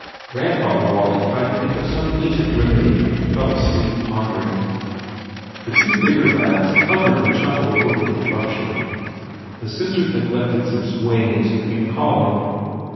Grandfather Walling tried to think of some ancient remedy and fell asleep pondering. The two bigger lads hovered and chuckled over the eruption. The sisters neglected some swains who came calling.